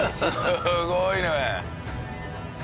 すごいね！